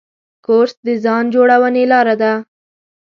کورس د ځان جوړونې لاره ده.